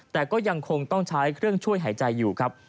แต่ก็ยังคงต้องใช้เครื่องช่วยหายใจอยู่ครับ